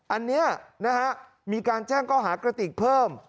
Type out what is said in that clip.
อันนี้นะครับมีการเจ้งเขาหากระติกเพิ่ม